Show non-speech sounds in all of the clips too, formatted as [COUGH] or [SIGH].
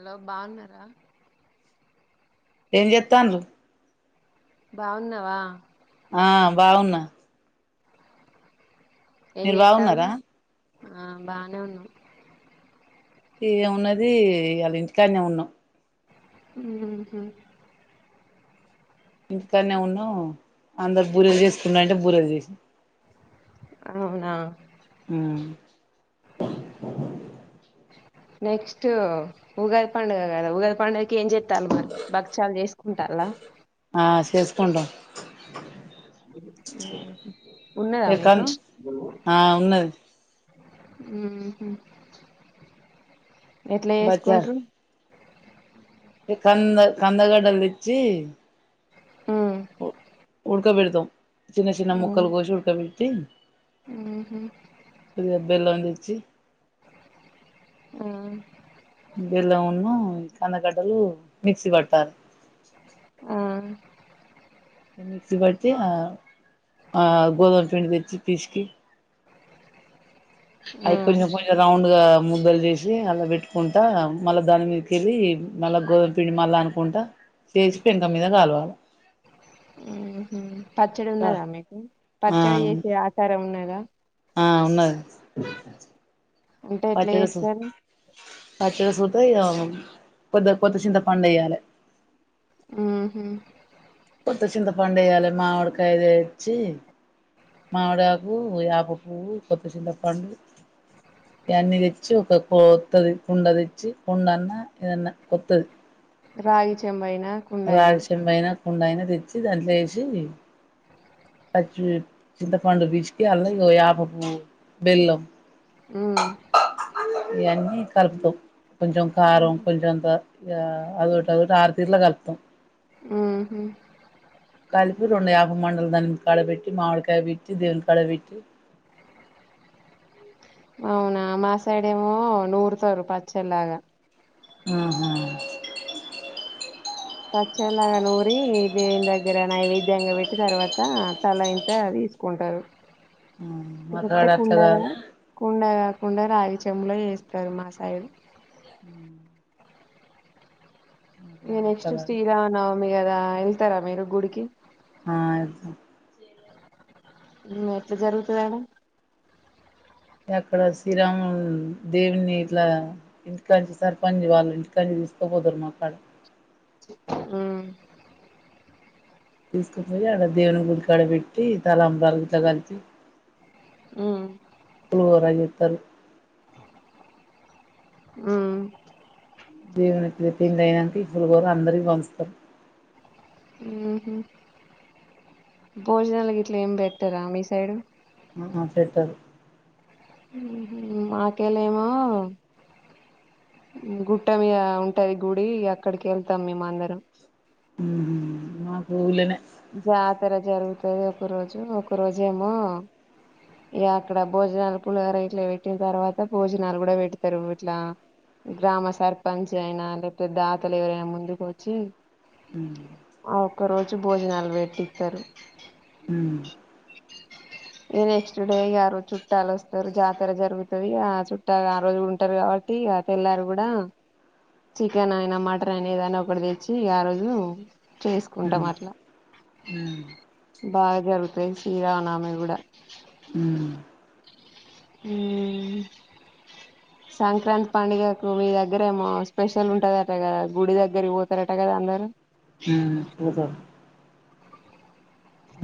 Hello బాగున్నార ఏం చెత్తన్రు బాగున్నావా ఆ బాగున్నా ఏం మీరు చెతను బాగున్నారా ఆ బానే ఉన్నం ఏమున్నది ఇయాలా ఇంటికానే ఉన్నాం. ఉహు ఇంటికనే ఉన్నా అందరు బూరెలు చేసుకున్నా అంటే బూరెలు చేస్ క అవునా నెక్స్ట్ ఉగాది పండుగ గదా ఉగాది పండగకి, ఏం చెత్తాలు మరి భక్చాలు చేసుకుంటర్లా ఆ చేసుకుంటాం హ్మ్ హు ఉన్నదా ఇగ కన్ మీకు ఆ ఉన్నది హ్మ్ హు ఎట్లా చేసుకుంట్రు ఏ కంద కందగడ్డల్దేచ్చి ఉమ్ ఉడ్కబెడ్తం చిన్న చిన్న ముక్కలు కోసి ఉడుకవి తిన్ హ్మ్ హు చ్చి ఆహ్ బెల్లంనూ, కందగడ్డలు మిక్సీ పట్టాలి. ఆ మిక్సీ పట్టి ఆ ఆహ్, గోధుమ పిండి తెచ్చి పిస్కి ఆ అయి కొంజం, కొంచెం రౌండ్ మృదుగా ముద్దల్ చేసి అలా పెట్టుకుంటా, మళ్ళా దాని మీదికెళ్ళి, మళ్ళా గోధుమ పిండి మళ్ళా అనుకుంటా చేసి పెంకం మీద కాలవాలే హ్మ్ హు పచ్చడి ఉన్నదా, ఆ మీకు పచ్చడి చేసే ఆచారం ఉన్నదా ఆ ఉన్నది. అంటే ఎట్లా పచ్చడి సూ ఏస్తారు. పచ్చడి సూత ఇగా కొద్దగా, కొత్త చింత పండు ఏయ్యాలే. మ్మ్ హు కొత్త చింతపండు వేయాలి. మామిడికాయదేచ్చి, మామిడి ఆకు, వేప పువ్వు, కొత్త చింతపండు, ఇవన్నీ తెచ్చి ఒక కొత్తది కుండ తెచ్చి, కుండ అన్న ఏదన్నా కొత్తది రాగి చెంబైనా కుండైనా రాగి శెంబైనా కుండైనా, తెచ్చి దాంట్లే వేసి చి చింతపండు, బిస్కీ అల్లా యాప పువ్వు, బెల్లం ఉమ్ ఇయన్ని కల్పుతో కొంచం కారం కొంచెంత ఇలా అల్లోటి, అదోటి, ఆర్ తీర్లా కల్పుతం హ్మ్ హు కల్పి రెండు యాప మండలు, దాని కాడ పెట్టి మామిడికాయ పెట్టి దేవుని కాడ వెట్టి ప్చ్ అవునా మా సైడేమో, నూరుతారు పచ్చడ్లాగా హ్మ్ హా పచ్చడ్లాగా నూరి దేవుని దగ్గర, నైవేద్యంగా వెట్టి తర్వాత తలా ఇంత తీసుకుంటారు. మ్మ్ మకాడ అట్లకాదు. కుండా రాగి చెమ్ములో చేస్తరు మాసైడు మ్ అట్ల నెక్స్ట్ కాదు శ్రీరామనవ మీ కదా వెళ్తారా మీరు గుడికి ఆ ఎ మ్ ఎట్ల జరుగుతండి అక్కడ శ్రీరాము దేవుని ఇట్లా ఇంటికాంచి సర్పంచ్ వాళ్ళు ఇంటికంచి తీసుకోపోతారు మాకాడ మ్ తీసుకునిపోయి అక్కడ దేవుని గుడికాడ పెట్టి తల తలంబ్రాలతో గలిపి ఉమ్ ఒ తలు హుమ్ దేవుడికి పెట్టిండే దాని ఇద్దరు వేరే అందరికి పంచుతారు హుమ్ హు భోజనాలు గిట్ల ఏమ్ పెట్టరా మీ సైడు హు హు పెట్టరు హుమ్ హు మాతెలోనా గుట్టమీద ఉంటది గుడి అక్కడికి వెళ్తాం మేం అందరం హుమ్ హు మాక్ ఊలనే జాతర జరుగుతది ఒక రోజు ఒక రోజెమో ఇగ అక్కడ భోజనాలు పులిహర ఇట్లా పెట్టిన తర్వాత భోజనాలు కూడా పెడతారు ఇట్లా గ్రామ సర్పంచ్ అయినా లేకపోతే దాతలు ఎవరైనా ముందుకు వచ్చి ఆ ఒక్కరోజు భోజనాలు పెట్టిత్తరు హుమ్ నెక్స్ట్ డే ఇగ ఆ రోజు చుట్టాలు వస్తరు జాతర జరుగుతది ఆ చుట్టాలు ఆ రోజు ఉంటారు కాబట్టి ఆ తెల్లారు గుడా చికెన్ అయినా మటన్ అయినా ఏదైనా ఒకటి తెచ్చి ఆ రోజు చేసుకుంటాం ఉమ్ అట్ల ఉమ్ బాగా జరుగుతు జై శ్రీరామ్ నవమి గూడ హుమ్ హుమ్ సంక్రాంతి పండుగకి మీ దగ్గరేమో స్పెషల్ ఉంటందట కదా గుడి దగ్గరి పోతారట కదా అందరూ హుమ్ పూజ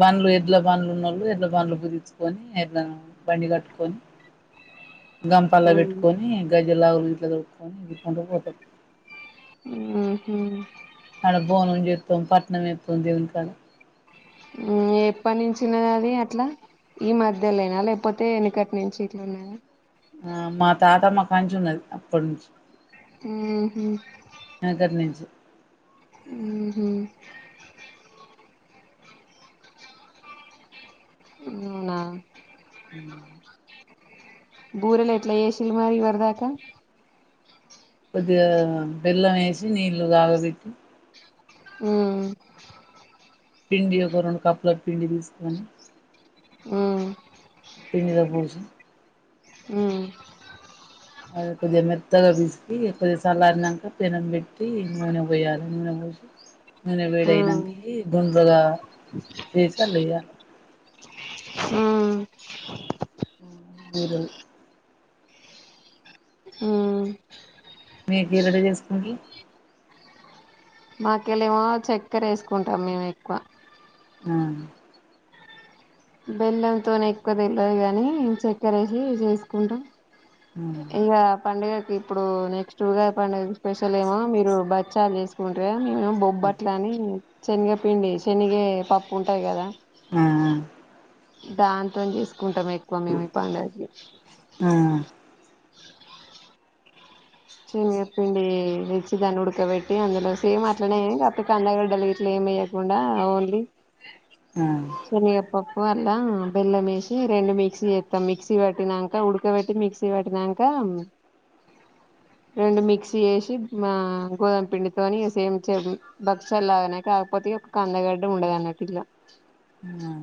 బండ్లు ఎడ్ల బంలు ఉన్నోళ్ళు ఎడ్ల బండ్లు బిగిచుకొని ఎడ్లన బండి కట్టుకొని గంపల పెట్టుకొని గజ్ జిల్లా వొళ్ళ ఇంట్ల తొడుక్కొని ఈద్ కుంటా పోతాం హుమ్ ఆడ బోనం చెత్తాం పట్నం ఇత్తాం దేవునికాడ హుమ్ ఎప్పటి నుంచి ఉన్నది అది అట్లా ఈ మధ్య లోనా లేకపోతే మునపట్ నుంచి ఇట్లే ఉన్నద ఆ మా తాతమ్మ కాంచి ఉన్నది అప్పటి నుంచి హు హ్మ్ వెనకటి నుంచి ఊ హు అవునా హు బూరెలు ఎట్లా ఏసిరు మలి ఇవర్ దాక కొద్దిగ బెల్లం ఏసి నీళ్లు కాగబెట్టి హు పిండి ఒక రెండు కప్పులకు పిండి తీసుకొని హు ప్రమిద పూజ హు ఆ కొద్దిగా మెత్తగా పిసికి ఇ కొద్దిగా చల్లారినంక పెనం పెట్టి నూనె పోయాలి నూనె పోసి నూనె వేడి అయినాక ఉమ్ గుండ్రంగా చేసి వేయ్యాలి హ్మ్మ్ వడలు హ్మ్మ్ మీగడ రెడీ చేసుకొండి మా కెళ్ళి ఏమో చక్కెర వేసుకుంటాం మేము ఎక్కువ ఆ బెల్లంతోనే ఎక్కువ తెలీదు గానీ చక్కర వేసి చేసుకుంటాం ఆ ఇగ పండగ ఇప్పుడు నెక్స్ట్ ఉగాది పండుగ స్పెషల్ ఏమో మీరు బచ్చాలు చేసుకున్ట్రా మేము బొబ్బట్లు అని శనిగ పిండి శనిగ పప్పు ఉంటాయి కదా ఆ దాంతో చేసుకూ కుంటాం ఎక్కువ మేము ఈ పండుగకి ఆ శనిగ పిండి తెచ్చి దాన్ని ఉడకబెట్టి అందులో సేమ్ అట్లనే కాకపోతే కందగడ్డలే ఇట్లా ఏం వేయకుండా ఓన్లీ ఆ శనిగ పప్పు కుక్కర్లో బెల్లం వేసి రెండు మిక్సీ చేస్తాం మిక్సీ పట్టినాక ఉడకబెట్టి మిక్సీ పట్టినాక రెండు మిక్సీ చేసి మా గోధుమ పిండితోని సేమ్ చె భక్షాలాగానే కాకపోతే ఒక కందగడ్డ ఉండదు అన్నట్టు ఇలా ఆ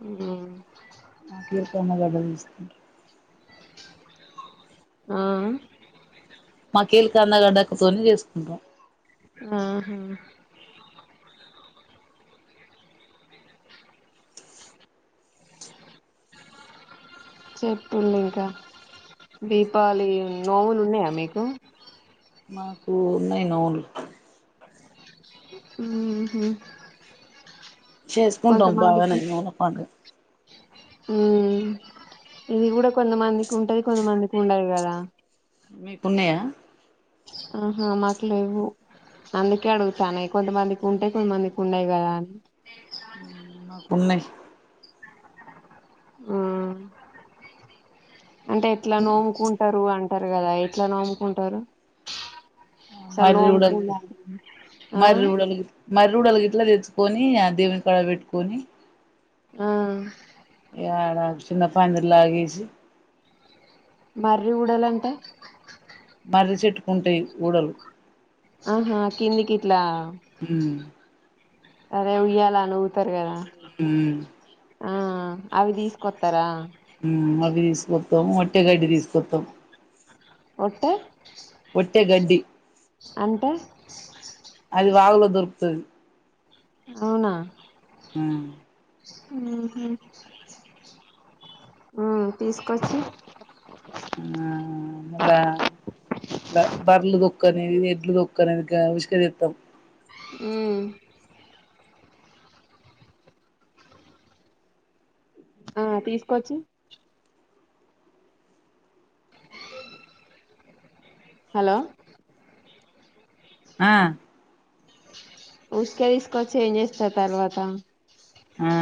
అ మాకు ఈ కంద గడ్డలు చూస్తుంటే ఆ మాకి కందగడ్డ తొని చేసుకుంటాం ఆహా చెప్పాలి ఇంకా దీపావళి నోములు ఉన్నాయా మీకు మాకు ఉన్నాయి నోములు హ్మ్మ్ చేసుకుంటాం బాగానే నోముల పండుగ ఉ ఇది కూడా కొంతమందికి ఉంటది కొంతమందికి ఉండదు కదా మీకున్నాయా ఆహా మాకు లేవు అందుకే అడుగుతున్న కొంతమందికి ఉంటే కొంతమందికి ఉండవు కదా అని ఉన్నాయి ఆ అంటే ఎట్లా నోముకుంటారు అన్ టరు కదా ఎట్లా నోముకుంటరు మర్రి ఉడల్గు ఆ మర్రి ఉడల్గు మర్రి ఊడల్గు ఇట్లా తెచ్చుకొని ఆ దేవుని కాడా పెట్టుకొని ఆ ఎడా చిన్న పందిర్లాగా ఏసీ మర్రి ఊడలంటే మర్రి చెట్టుకు ఉంటయి ఊడలు ఆహా కిందికిట్లా హమ్ అరే ఉయ్యాలను తరు కదా ఉమ్ ఆ అవి తీసుకొత్తరా హమ్ అవి తీసుకొత్తం ఒట్టే గడ్డి తీసుకొత్తం ఒట్టే ఒట్టే గడ్డి అంటే అది వాగులో దొరుకుతది అవునా ఆ ఉమ్ హు హమ్ తీసుకచ్చి ఆ మళ్ళా ఇలా బర్లు దొక్క్ అని ఎడ్లు దొక్క్ అని గా ఉష్క దెత్తం ఉ ఆ తీసుకోచ్చి హలో ఆ ఉసుక తీసుకొచ్చి ఏం చేస్తారు తర్వాత ఆ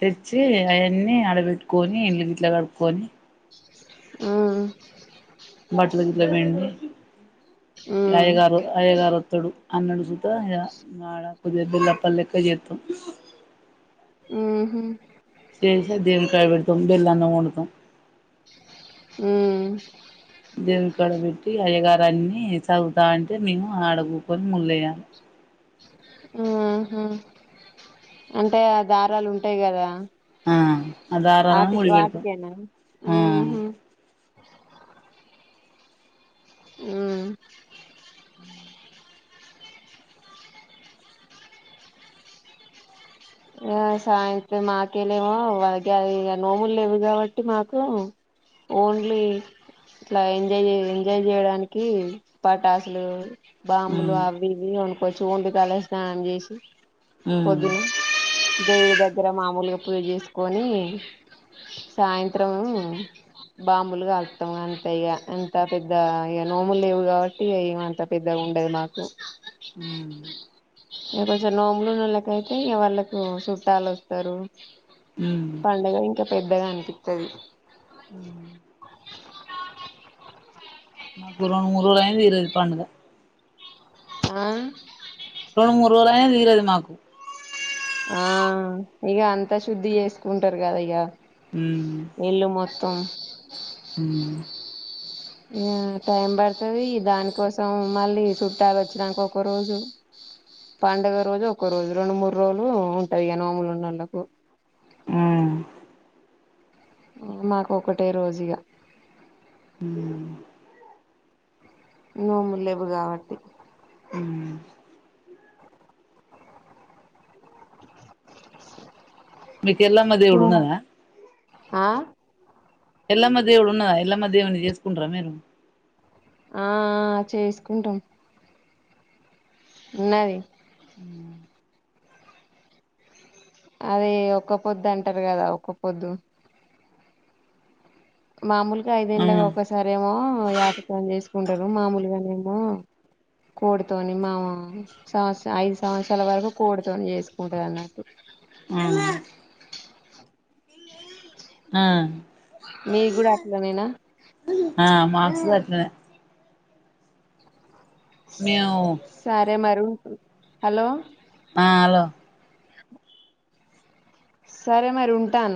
తెచ్చి అవన్నీ ఆడబెట్టుకొని ఇల్లు గట్లా కడుక్కొని ఉ బట్టలు గిట్ల పిండి ఉ ఇగ అయ్యగారు అయ్యగారు ఒత్తడు అన్నడు సుతా ఇగ ఆడ కొద్దిగా బెల్లప్పాలు లెక్క జెత్తం ఉహు చేశే దేవుని కాడా పెడుతం బెల్లన్నం ఒండుతం దేవుని కాడా పెట్టి అయ్యగారు అన్నీ చదువుతా అంటే మేము ఆడ గుకొని [UNINTELLIGIBLE] ఉ ఆహా అంటే ఆ దారాలు ఉంటాయి కదా ఆ ఆ దారాలను ఆటి ముడివెడుతం వాటికేనా ఆ ఉహు ఉమ్ ఆ సాయంత్రం మాకేలేమో [UNINTELLIGIBLE] నోములు లేవు కాబట్టి మాకు ఓన్లీ ఇట్లా ఎంజాయ్ జెయ్ ఎంజాయ్ జెయడానికి పటాస్లు బాంబులు ఉమ్ అవ్వి ఇవ్వి ఉన్ పచ్చు [UNINTELLIGIBLE] తల స్నానం చేసి ఆ పొద్దున దేవుడి దగ్గర మామూలుగా పూజ చేసుకొని సాయంత్రం బాంబులు కలుస్తాం. అంతే ఇగ అంత పెద్ద ఇగత నోములు లేవు, కాబట్టి అ అంత పెద్దగా ఉండద్ మాకు. హ్మ్ ఇగ కొంచం నోములు ఉన్నవాళ్ళకైతే ఇగ వాళ్ళక్ హు సుట్టాలు వస్తరు ఉమ్ పండగ ఇంక పెద్దగా అనిపిత్తది హ్ మాక్ రెండు మూడు రోజులు అయినా తీరద్ పండుగ ఆ రెండు మూడు రోజులయినా తీరద్ మాకు ఆ ఇగ అంతా శుద్ధి చేసుకుంటారు కదా ఇగ మ్ త మ్ ఆ టైం పడుతది దాని కోసం మళ్ళీ చుట్టాలు వచ్చాక ఒక రోజు, పండుగ రోజు ఒక రోజు రెండు మూడు రోజులు ఉంటది నోములు ఉన్నళ్ళకు ఆ మాకు ఒకటే రోజు ఇగా మ్ నోములెవ్వు కాబట్టి మ్ మీకు ఎల్లమ్మ దేవుడు ఉన్నాదా ఆ ఎల్లమ్మ దేవుడున్నద ఎలామ దేవుణ్ణి చేసుకుంటరా మీరు ఆ అ చేసుకుంటాం ఉన్నది అదే ఒక్క పొద్దు అంటారు కదా ఒక్క పొద్దు మామూలు ఆ ఐదేంలకి ఒకసారెమో ఏట తోనే చేసు కుంటారు మామూలుగానేమో, కోడితోని మాము సంవత్సర ఐదు సంవత్సరాల వరకు కోడితోని చేసుకుంటారు అన్నట్టు ఆ ఆ మీగూడా అట్లనేనా ఆ మాసు అట్లనే మేము సారే మరీ ఉ హలో ఆ హలో సరే మరి ఉంటాన